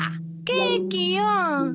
ケーキよ。